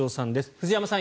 藤山さん